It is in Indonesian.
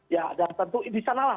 ya dan tentu disanalah